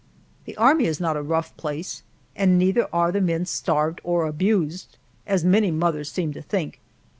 The Army is not a rough place, and neither are the men starved or abused, as many mothers seem to think.